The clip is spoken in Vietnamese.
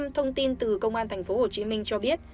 thông tin từ công an tp hcm cho biết